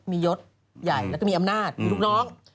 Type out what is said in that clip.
มียศใหญ่แล้วก็มีอำนาจมีลูกน้อง